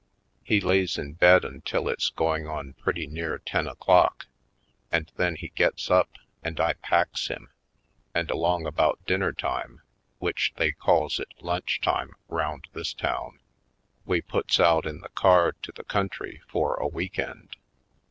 He lays in bed until it's going on pretty near ten o'clock and then he gets up and I packs him, and along about dinnertime, which they calls it lunch time round this town, we puts out in the car to the country for a week end.